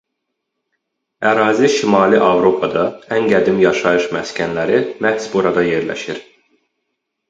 Ərazi Şimali Avropada ən qədim yaşayış məskənləri məhz burada yerləşir.